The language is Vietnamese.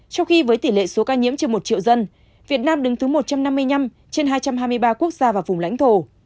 trong khi với tỷ lệ số ca nhiễm trên một triệu dân việt nam đứng thứ một trăm năm mươi năm trên hai trăm hai mươi ba quốc gia và vùng lãnh thổ